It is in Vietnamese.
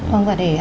vâng và để